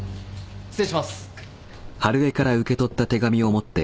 失礼します。